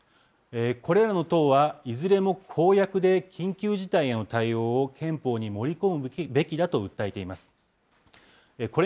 これらの党は、いずれも公約で緊急事態への対応を憲法に盛り込むべきだと訴えています。